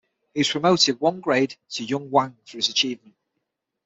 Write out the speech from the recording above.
He was promoted one grade to "junwang" for his achievement.